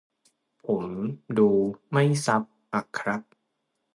ผมดูไม่ซับอะครับ